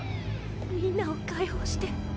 みんなを解放して。